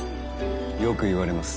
よく言われます。